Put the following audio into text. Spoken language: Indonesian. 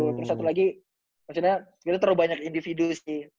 terus satu lagi maksudnya kita terlalu banyak individu sih